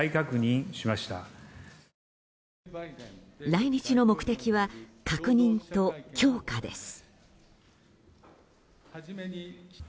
来日の目的は確認と強化です。